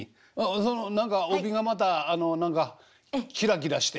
その何か帯がまたキラキラして。